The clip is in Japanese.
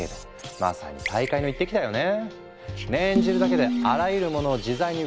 まさに大海の一滴だよね。